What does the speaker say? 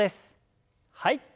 はい。